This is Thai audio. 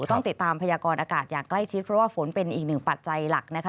ต้องติดตามพยากรอากาศอย่างใกล้ชิดเพราะว่าฝนเป็นอีกหนึ่งปัจจัยหลักนะคะ